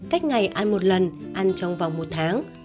cách ngày ăn một lần ăn trong vòng một tháng